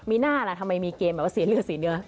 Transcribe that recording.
มีหน้าล่ะทำไมมีเกมแบบว่าเสียเลือดเสียเนื้อ